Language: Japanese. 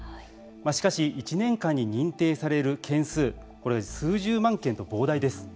しかし、１年間に認定される件数、これは数十万件と膨大です。